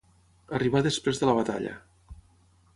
Arribar després de la batalla.